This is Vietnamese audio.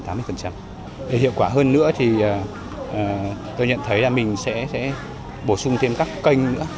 để hiệu quả hơn nữa thì tôi nhận thấy là mình sẽ bổ sung thêm các kênh nữa